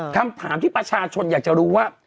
คำถามที่ประชาชนอยากจะรู้ว่า